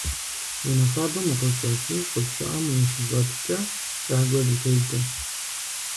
Унэ хуабэм укъыщӀэкӀыу щӀыб щӀыӀэм ущыщӏэкӀкӀэ кӀагуэ зытедзэ.